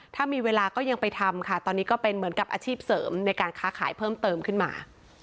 ถ้ามีเวลาก็ยังไปทำค่ะตอนนี้ก็เป็นเหมือนกับอาชีพเสริมในการค้าขายเพิ่มเติมขึ้นมา